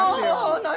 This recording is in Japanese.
何？